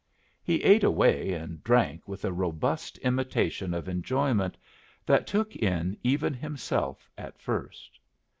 He ate away and drank with a robust imitation of enjoyment that took in even himself at first.